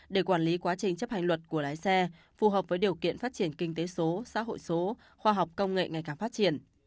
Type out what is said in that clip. để quản lý quá trình chấp hành luật của lái xe phù hợp với điều kiện phát triển kinh tế số xã hội số khoa học công nghệ ngày càng phát triển